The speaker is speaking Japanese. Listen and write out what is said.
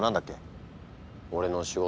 俺の仕事？